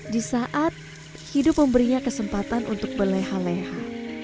di saat hidup memberinya kesempatan untuk berleha leha